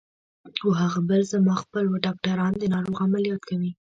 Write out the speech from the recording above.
خو هغه بل زما خپل و، ډاکټران د ناروغ عملیات کوي.